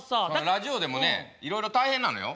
ラジオでもねいろいろ大変なのよ。